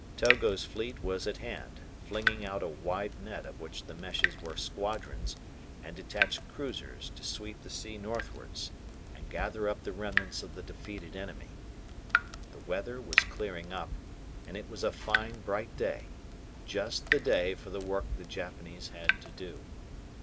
Togo's fleet was at hand, flinging out a wide net of which the meshes were squadrons and detached cruisers to sweep the sea northwards, and gather up the remnants of the defeated enemy. The weather was clearing up, and it was a fine, bright day just the day for the work the Japanese had to do.